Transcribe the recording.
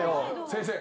先生。